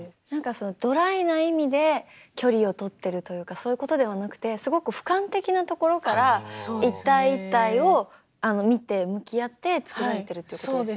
ドライな意味で距離をとってるというかそういうことではなくてすごく俯瞰的なところから一体一体を見て向き合って作られてるっていうことですよね。